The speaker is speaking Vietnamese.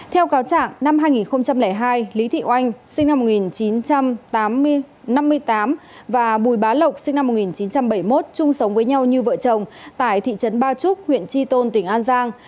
theo cáo trạng năm hai nghìn hai lý thị oanh sinh năm một nghìn chín trăm tám mươi tám và bùi bá lộc sinh năm một nghìn chín trăm bảy mươi một chung sống với nhau như vợ chồng tại thị trấn ba trúc huyện tri tôn tỉnh an giang